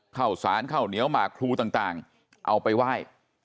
ข้าวสารข้าวเหนียวหมากครูต่างเอาไปไหว้